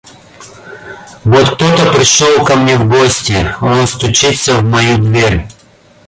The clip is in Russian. Вот кто-то пришел ко мне в гости; он стучится в мою дверь.